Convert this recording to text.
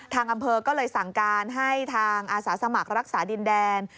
ทางอำเภอก็เลยสั่งการให้ทางอาสาสมัครรักษาดินแดน